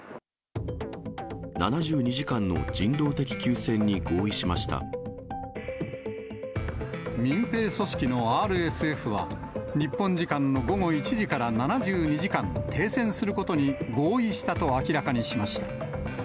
７２時間の人道的休戦に合意民兵組織のＲＳＦは、日本時間の午後１時から７２時間、停戦することに合意したと明らかにしました。